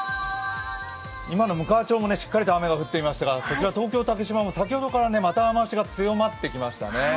今のむかわ町もしっかりと雨が降っていましたが、こちら東京・竹芝も先ほどからまた雨足が強まってきましたね。